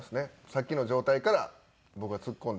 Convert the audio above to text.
さっきの状態から僕がツッコんで。